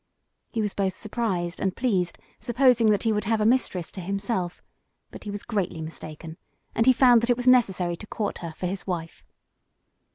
He was both surprised and pleased, supposing that he would have a mistress to himself; but he was greatly mistaken, and he found that it was necessary to court her for his wife.